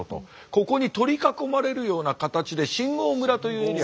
ここに取り囲まれるような形で新郷村というエリアがある。